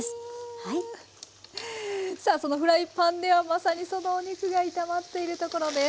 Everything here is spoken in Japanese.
さあそのフライパンではまさにそのお肉が炒まっているところです。